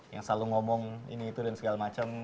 yang selalu ngomong ini itu dan segala macam